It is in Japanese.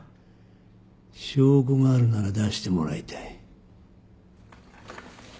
証拠があるなら出してもらいたい。